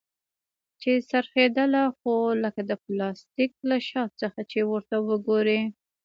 چې څرخېدله خو لکه د پلاستيک له شا څخه چې ورته وگورې.